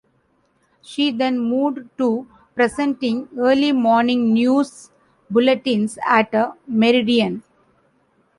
She then moved to presenting early morning news bulletins at Meridian.